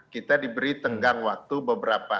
kita diberi tenggang waktu beberapa